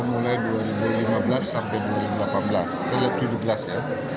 mulai dua ribu lima belas dua ribu delapan belas kemudian dua ribu tujuh belas ya